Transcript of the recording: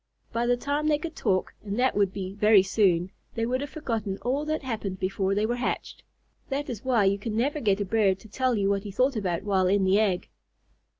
By the time they could talk, and that would be very soon, they would have forgotten all that happened before they were hatched. That is why you can never get a bird to tell you what he thought about while in the egg.